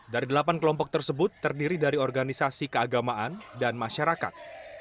dari delapan kelompok tersebut terdiri dari organisasi keagamaan dan masyarakat